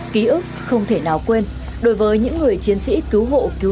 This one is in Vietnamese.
ký ức không thể nào quên đối với những người chiến sĩ cứu hộ cứu nạn việt nam